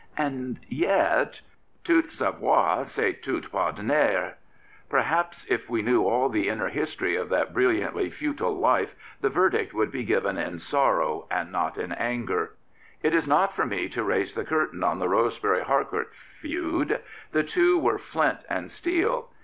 And yet — Tout savoir, c*est tout pardonner. Perhaps if we knew all the inner history of that brilliantly futile life the verdict would be given in sorrow and not in anger. It is not for me to raise the curtain on the Roseben^ Harcourt feud. The two were flint and steel.